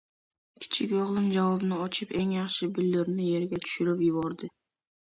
kichik oʻgʻlim javonni ochib, eng yaxshi billur idishimni yerga tushirib yubordi.